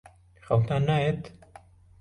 خەوتان نایەت؟